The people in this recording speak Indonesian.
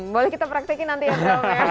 boleh kita praktekin nanti ya